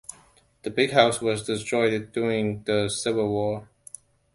The big house was destroyed during the Civil War.